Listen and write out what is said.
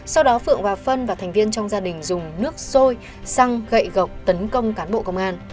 sau đó phượng và phân và thành viên trong gia đình dùng nước sôi xăng gậy gọc tấn công cán bộ công an